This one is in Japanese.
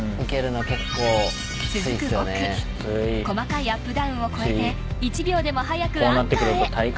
区細かいアップダウンを越えて１秒でも速くアンカーへ。